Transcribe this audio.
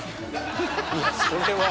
いやそれは。